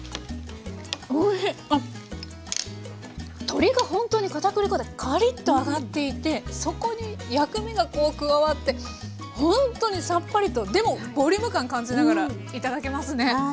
鶏がほんとにかたくり粉でカリッと揚がっていてそこに薬味がこう加わってほんとにさっぱりとでもボリューム感感じながら頂けますね。